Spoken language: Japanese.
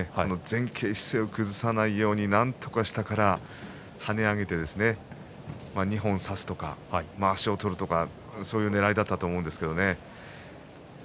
前傾姿勢を崩さないように、なんとか下から跳ね上げて二本差すとか足を取るとかそういうねらいだったと思うんですよね。